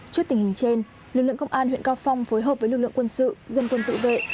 trước tình hình trên lực lượng công an huyện cao phong phối hợp với lực lượng quân sự dân quân tự vệ